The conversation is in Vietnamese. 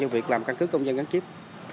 trong việc làm cơ cước công dân gắn chip